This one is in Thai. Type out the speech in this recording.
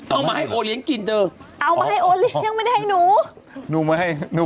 เอามาให้โอเลียงกินเจอเอามาให้โอเลียงไม่ได้ให้หนู